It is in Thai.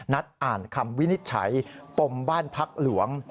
นัดอ่านคำวินิจฉัยปมบ้านพักหลวง